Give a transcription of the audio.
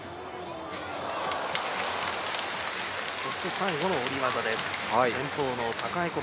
最後の下り技です。